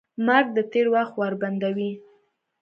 مرګ د تېر وخت ور بندوي.